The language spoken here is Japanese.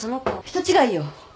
人違いよ。